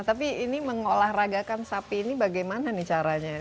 tapi ini mengolahragakan sapi ini bagaimana nih caranya